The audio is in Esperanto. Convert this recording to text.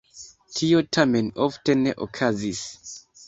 Tio tamen ofte ne okazis.